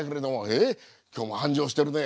えっ今日も繁盛してるね。